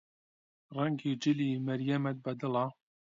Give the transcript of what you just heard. ڕەنگی جلی مەریەمت بەدڵە؟